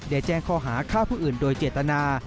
แจ้งข้อหาฆ่าผู้อื่นโดยเจตนา